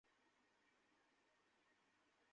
বড় বড় দুধ, বড় বড় পাছা!